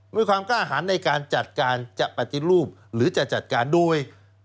มีความกล้าหารในการจัดการจะปฏิรูปหรือจะจัดการโดย